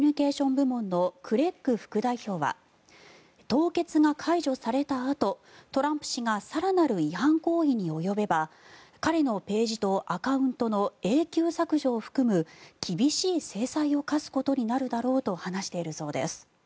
部門のクレッグ副代表は凍結が解除されたあとトランプ氏が更なる違反行為に及べば彼のページとアカウントの永久削除を含む厳しい制裁を科すことになるだろうと話しているそうです。